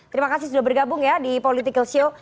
terima kasih sudah bergabung ya di political show